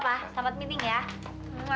ya pak selamat meeting ya